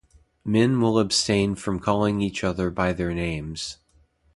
Men will abstain from calling each other by their names.